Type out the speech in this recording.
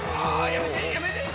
やめて！